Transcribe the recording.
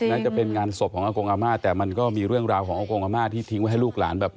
แม้จะเป็นงานศพของอากงอาม่าแต่มันก็มีเรื่องราวของอากงอาม่าที่ทิ้งไว้ให้ลูกหลานแบบ